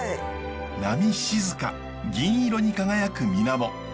波静か銀色に輝くみなも。